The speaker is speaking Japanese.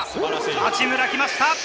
八村が来ました。